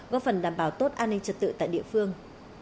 góp phần đảm bảo tốt an ninh trật tự tại địa phương